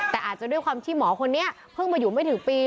แต่อาจจะด้วยความที่หมอคนนี้เพิ่งมาอยู่ไม่ถึงปี